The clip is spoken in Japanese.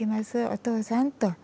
お父さんと。